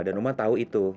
dan oma tahu itu